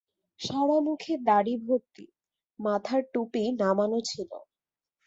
সারা মুখে দাঁড়ি ভর্তি, মাথার টুপি নামানো ছিলো।